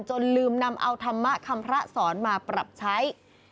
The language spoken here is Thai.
ลืมนำเอาธรรมะคำพระสอนมาปรับใช้